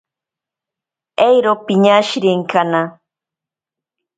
Eiro piñashirenkana.